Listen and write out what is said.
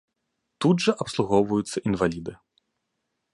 Тут жа абслугоўваюцца інваліды.